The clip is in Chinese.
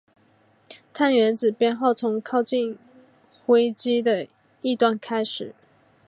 碳原子编号从靠近羰基的一端开始。